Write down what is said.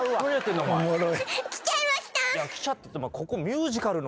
来ちゃったって。